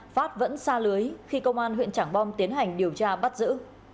phát vẫn xa lưới khi công an huyện trảng bom tiến hành điều tra bắt giữ